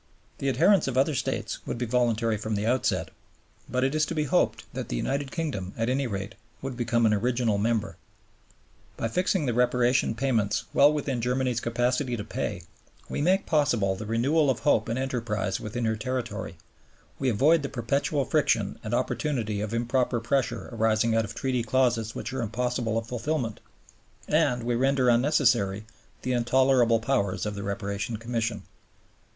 The adherence of other States would be voluntary from the outset. But it is to be hoped that the United Kingdom, at any rate, would become an original member. By fixing the Reparation payments well within Germany's capacity to pay, we make possible the renewal of hope and enterprise within her territory, we avoid the perpetual friction and opportunity of improper pressure arising out of Treaty clauses which are impossible of fulfilment, and we render unnecessary the intolerable powers of the Reparation Commission.